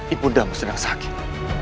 ibu bunda sedang sakit